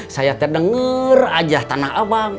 saya terdengar aja tanah abang